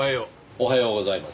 おはようございます。